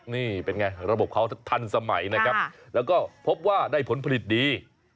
นี่เป็นไงระบบเขาทันสมัยนะครับแล้วก็พบว่าได้ผลผลิตดี